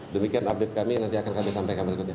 demikian update kami nanti akan kami sampaikan berikutnya